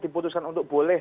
diputuskan untuk boleh